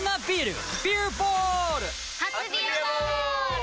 初「ビアボール」！